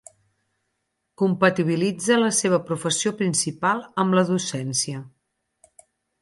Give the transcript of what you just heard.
Compatibilitza la seva professió principal amb la docència.